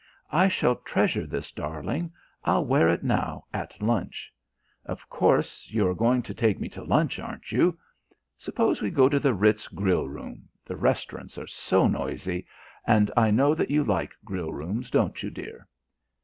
I shall treasure this, darling I'll wear it now at lunch. Of course you are going to take me to lunch, aren't you? Suppose we go to the Ritz grill room, the restaurants are so noisy, and I know that you like grill rooms, don't you, dear?"